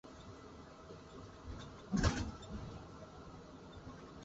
Deben saltar por el agujero.